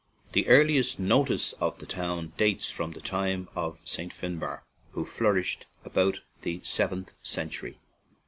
The earliest notice of the town dates from the time of St. Fin Barre, who flourish ed about the seventh century.